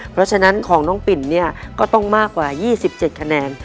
เพราะฉะนั้นของน้องปิ่นเนี่ยก็ต้องมากกว่า๒๗คะแนน